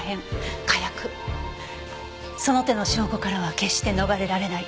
その手の証拠からは決して逃れられない。